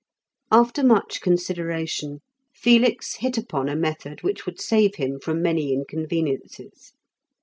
After much consideration, Felix hit upon a method which would save him from many inconveniences.